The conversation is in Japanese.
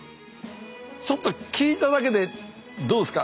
ちょっと聞いただけでどうですか？